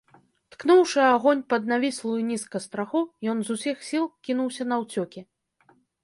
Ткнуўшы агонь пад навіслую нізка страху, ён з усіх сіл кінуўся наўцёкі.